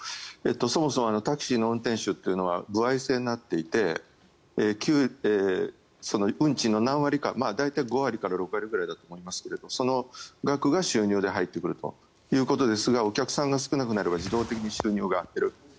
そもそもタクシーの運転手というのは歩合制になっていて運賃の何割か大体５割から６割ぐらいだと思いますがその額が収入で入ってくるということですがお客さんが少なくなれば自動的に収入が減る。